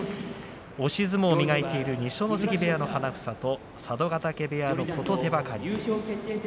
押し相撲を磨いている二所ノ関部屋の花房と佐渡ヶ嶽部屋の琴手計。